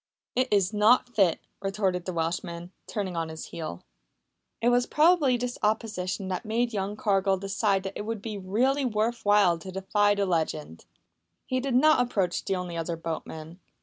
"It iss not fit," retorted the Welshman, turning on his heel. It was probably this opposition that made young Cargill decide that it would be really worth while to defy the legend. He did not approach the only other boatman.